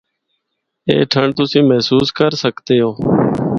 اے ٹھنڈ تُسیں محسوس کر سکدے او۔